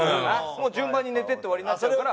もう順番に寝てって終わりになっちゃうから。